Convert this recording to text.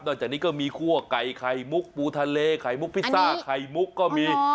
จากนี้ก็มีคั่วไก่ไข่มุกปูทะเลไข่มุกพิซซ่าไข่มุกก็มี